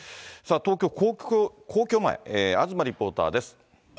東京・皇居前、東リポーターです。